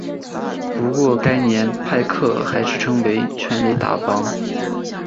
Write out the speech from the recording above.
不过该年派克还是成为全垒打王。